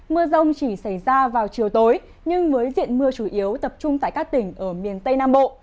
mưa rông chỉ xảy ra vào chiều tối nhưng với diện mưa chủ yếu tập trung tại các tỉnh ở miền tây nam bộ